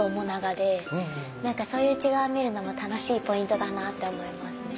何かそういう違いを見るのも楽しいポイントだなって思いますね。